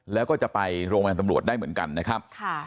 แล้วก็จะไปโรงพยาบาลตำรวจได้เหมือนกันนะครับ